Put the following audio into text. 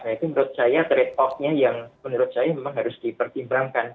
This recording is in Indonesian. nah itu menurut saya trade off nya yang harus dipertimbangkan